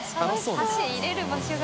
お箸入れる場所が。